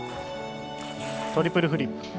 トリプルフリップ。